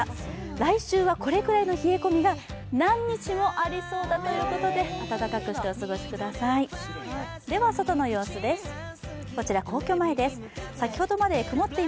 来週はこれぐらいの冷え込みが何日もありそうだということで、暖かくしてお過ごしください。